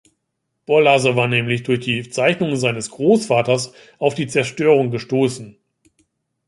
Borlase war nämlich durch die Zeichnungen seines Großvaters auf die Zerstörung gestoßen.